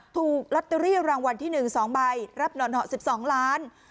ถูกลอตเตอรี่รางวัลที่๑๒ใบรับหนอน๑๒ล้าน